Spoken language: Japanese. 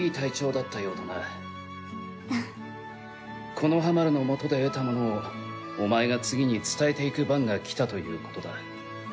木ノ葉丸のもとで得たものをお前が次に伝えていく番が来たということだ。